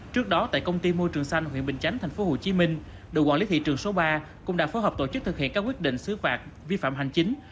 trước đó tại công ty môi trường xanh huyện bình chánh tp hcm đội quản lý thị trường số ba cũng đã phối hợp tổ chức thực hiện các quyết định xứ phạt vi phạm hành chính